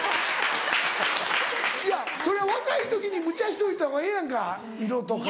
いやそれは若い時にむちゃしといたほうがええやんか色とか。